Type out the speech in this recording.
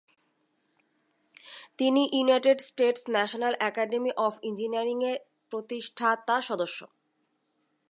তিনি United States National Academy of Engineering এর প্রতিষ্ঠাতা সদস্য।